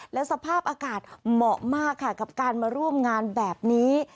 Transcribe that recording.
และสภาพอากาศเหมาะมากค่ะกับการมาร่วมงานแบบนี้